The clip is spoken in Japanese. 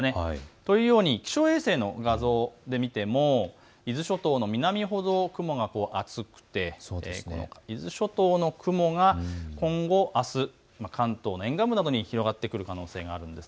というように気象衛星の画像で見ても伊豆諸島の南ほど雲が厚くて伊豆諸島の雲が今後、あす、関東の沿岸部などに広がってくる可能性があるんです。